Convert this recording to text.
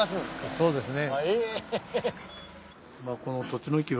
そうですね。